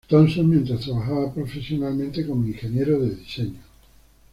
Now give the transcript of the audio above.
Thompson", mientras trabajaba profesionalmente como ingeniero de diseño.